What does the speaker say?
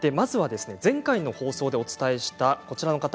前回の放送でお伝えしたこちらの方